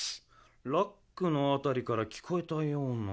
ラックのあたりからきこえたような。